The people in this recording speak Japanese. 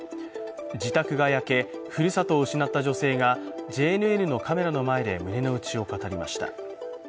自宅が焼け、ふるさとを失った女性がＪＮＮのカメラの前で胸のうちを語りました。